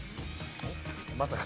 まさか。